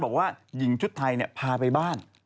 บอกว่าหญิงชุดไทยพาไปบ้าน